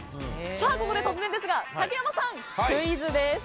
ここで突然ですが竹山さんクイズです！